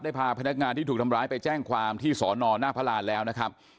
พาพนักงานที่ถูกทำร้ายไปแจ้งความที่สอนอหน้าพระราณแล้วนะครับ